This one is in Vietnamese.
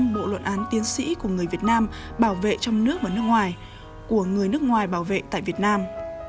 hai mươi chín hai trăm linh bộ luận án tiến sĩ của người việt nam bảo vệ trong nước và nước ngoài của người nước ngoài bảo vệ tại việt nam